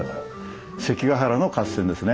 関ヶ原の合戦ですね。